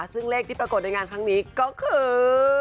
ซึ่งเลขที่ปรากฏในงานครั้งนี้ก็คือ